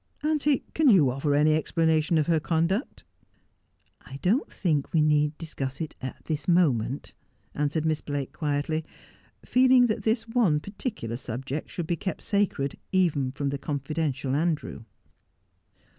Auntie, can you offer any explanation of her conduct 1 '' I don't think we need discuss it at this moment,' answered Miss Blake quietly, feeling that this one particular subject should be kept sacred even from the confidential Andrew.